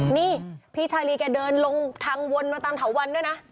นี่พี่ชาลีแกเดินลงทางวนมาตามเถาวันด้วยนะ